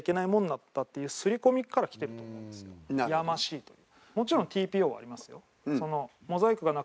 やましいという。